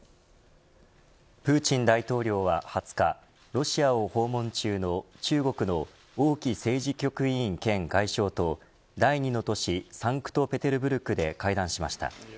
プーチン大統領は２０日ロシアを訪問中の中国の王毅政治局委員兼外相と第２の都市サンクトペテルブルクで会談しました。